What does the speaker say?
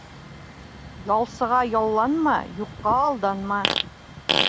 Ялсыға ялланма, юҡҡа алданма.